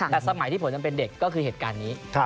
แต่สมัยที่ผมยังเป็นเด็กก็คือเหตุการณ์นี้